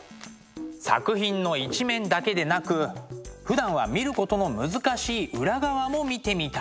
作品の一面だけでなくふだんは見ることの難しい裏側も見てみたい。